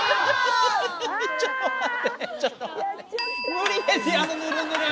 無理ですよ。